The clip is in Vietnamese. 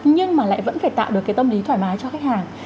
nhưng mà lại vẫn phải tạo được cái tâm lý thoải mái cho khách hàng